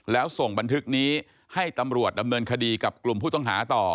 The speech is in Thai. แล้วส่งบันทึกนี้ให้ตำรวจดำเนินคดีกับกลุ่มผู้ต้องหาต่อ